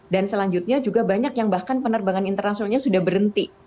dan selanjutnya juga banyak yang bahkan penerbangan internasionalnya sudah berhenti